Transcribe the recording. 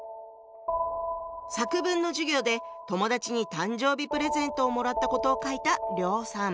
作文の授業で友達に誕生日プレゼントをもらったことを書いた梁さん。